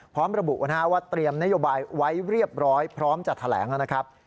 พร้อมระบุว่าเตรียมนโยบายไว้เรียบร้อยพร้อมจะแถลงนะครับ